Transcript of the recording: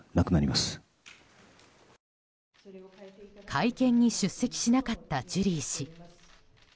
会見に出席しなかったジュリー氏。